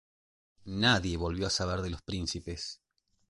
Nadie volvió a saber de los príncipes.